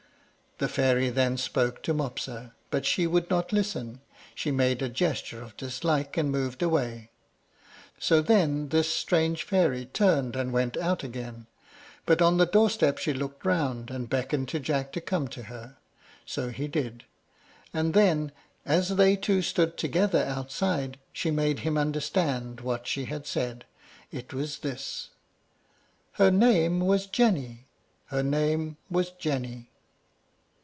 The fairy then spoke to Mopsa, but she would not listen; she made a gesture of dislike and moved away. So then this strange fairy turned and went out again, but on the door step she looked round, and beckoned to Jack to come to her. So he did; and then, as they two stood together outside, she made him understand what she had said. It was this: "Her name was Jenny, her name was Jenny."